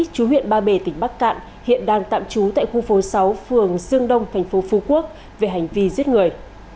chú huyện ba bể tỉnh bắc cạn hiện đang tạm trú tại khu phố sáu phường dương đông thành phố phú quốc về hành vi giết người